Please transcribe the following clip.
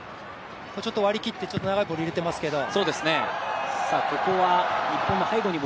割り切って長いボール入れてますけど。